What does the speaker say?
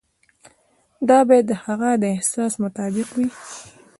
دا باید د هغه د احساس مطابق وي.